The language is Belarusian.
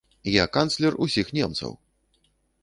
Я канцлер усіх немцаў.